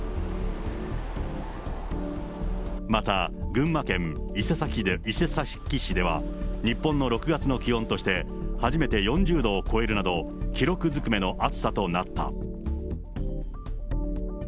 また群馬県伊勢崎市では、日本の６月の気温として初めて４０度を超えるなど、記録ずくめの暑さとなった。